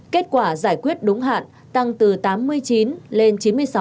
kết quả giải quyết đúng hạn tăng từ tám mươi chín lên chín mươi sáu